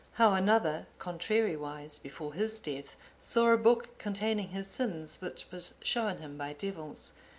How another contrarywise before his death saw a book containing his sins, which was shown him by devils.